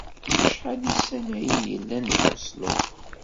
Acḥal isalayen i yellan deg Oslo?